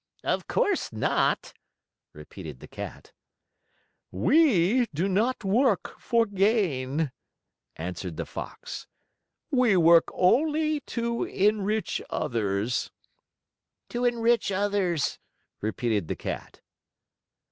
"Of course not!" repeated the Cat. "We do not work for gain," answered the Fox. "We work only to enrich others." "To enrich others!" repeated the Cat.